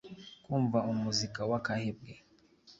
kumva umuzika w akahebwe